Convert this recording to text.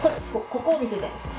ここを見せたいんです。